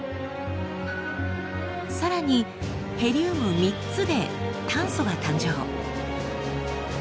さらにヘリウム３つで炭素が誕生。